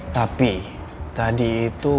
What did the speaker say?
tapi tadi itu